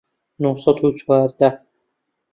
نۆ سەد و چواردە